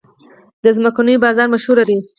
د څمکنیو بازار مشهور دی